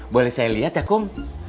boleh saya lihat ya kom